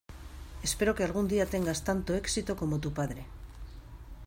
Espero que algún día tengas tanto éxito como tu padre.